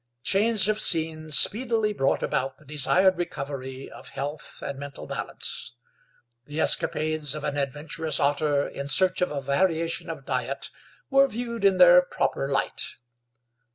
Change of scene speedily brought about the desired recovery of health and mental balance. The escapades of an adventurous otter in search of a variation of diet were viewed in their proper light.